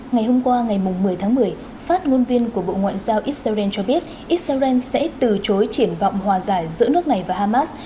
ngày hôm qua ngày một mươi tháng một mươi phát ngôn viên của bộ ngoại giao israel cho biết israel sẽ từ chối triển vọng hòa giải giữa nước này và hamas